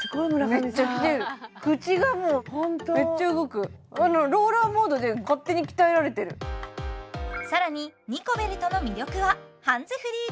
めっちゃきてる口がもうホントめっちゃ動くローラーモードで勝手に鍛えられてる更にニコベルトの魅力はハンズフリー